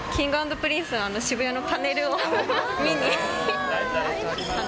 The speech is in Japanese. Ｋｉｎｇ＆Ｐｒｉｎｃｅの渋谷のパネルを見に。